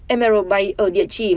emerald bay ở địa chỉ